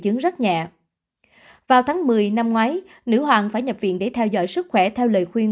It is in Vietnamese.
chứng rất nhẹ vào tháng một mươi năm ngoái nữ hoàng phải nhập viện để theo dõi sức khỏe theo lời khuyên